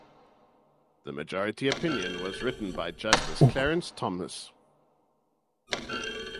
The majority opinion was written by Justice Clarence Thomas.